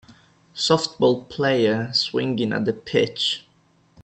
softball player swinging at a pitch